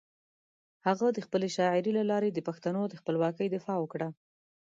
هغه د خپلې شاعري له لارې د پښتنو د خپلواکۍ دفاع وکړه.